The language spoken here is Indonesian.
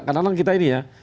kadang kadang kita ini ya